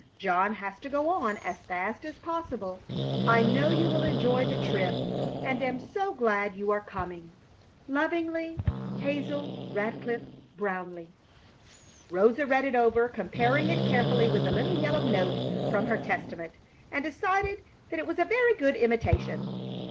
John has to go on as fast as possible. I know you will enjoy the trip, and am so glad you are coming. Lovingly, HAZEL RADCLIFFE BROWNLEIGH. Rosa read it over, comparing it carefully with the little yellow note from her Testament, and decided that it was a very good imitation.